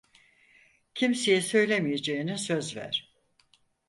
Kimseye söylemeyeceğine söz ver.